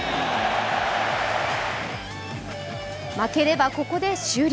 負ければここで終了。